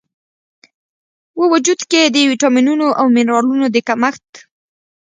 و وجود کې د ویټامینونو او منرالونو د کمښت